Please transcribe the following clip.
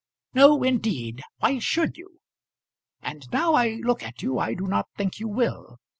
"No, indeed. Why should you? And now I look at you I do not think you will."